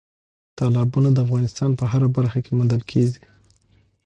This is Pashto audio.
تالابونه د افغانستان په هره برخه کې موندل کېږي.